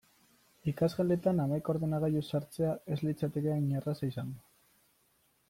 Ikasgeletan hamaika ordenagailu sartzea ez litzateke hain erraza izango.